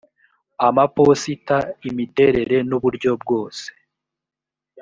amaposita imiterere n uburyo bwose